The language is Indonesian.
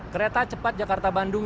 kereta cepat jakarta bandung